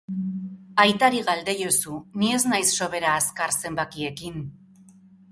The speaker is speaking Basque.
Aitari galdeiozu... ni ez naiz sobera azkar zenbakiekin.